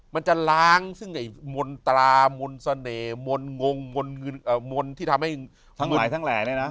มันจะล้างซึ่งในมนตรามนสเนมนงมที่ทำให้ทั้งหลายเลยนะ